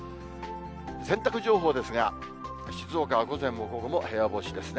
洗濯情報ですが、静岡は午前も午後も部屋干しですね。